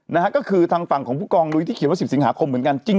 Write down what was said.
นะฮะก็คือทางฝั่งของผู้กองลุยที่เขียนว่า๑๐สิงหาคมเหมือนกันจริง